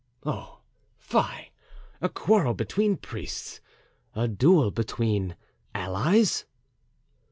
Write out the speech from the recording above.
"Oh, fie—a quarrel between priests, a duel between allies!"